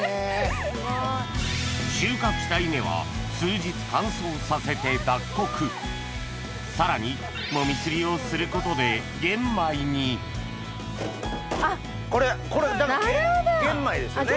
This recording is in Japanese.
収穫した稲は数日乾燥させて脱穀さらに籾すりをすることで玄米にこれ玄米ですよね？